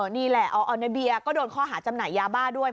นี่แหละออนาเบียก็โดนข้อหาจำหน่ายยาบ้าด้วย